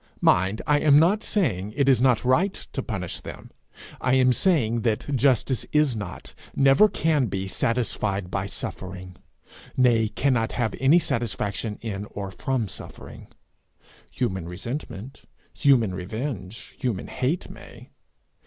Mind, I am not saying it is not right to punish them; I am saying that justice is not, never can be, satisfied by suffering nay, cannot have any satisfaction in or from suffering. Human resentment, human revenge, human hate may.